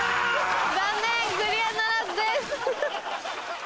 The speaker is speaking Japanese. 残念クリアならずです。